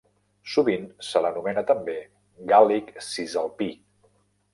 Sovint se l’anomena també gàl·lic cisalpí.